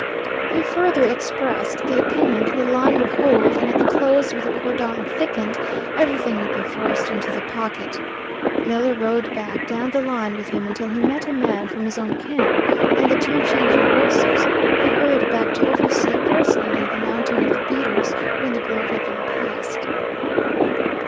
He further expressed the opinion that the line would hold, and at the close with the cordon thickened, everything would be forced into the pocket. Miller rode back down the line with him until he met a man from his own camp, and the two changing horses, he hurried back to oversee personally the mounting of the beaters when the grove had been passed.